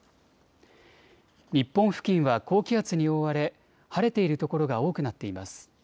日本付近は高気圧に覆われ晴れている所が多くなっています。